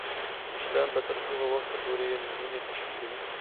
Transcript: مشران به تر هغه وخته پورې نجونې تشویقوي.